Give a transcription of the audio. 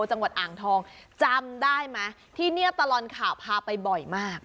จังหวัดอ่างทองจำได้ไหมที่นี่ตลอดข่าวพาไปบ่อยมาก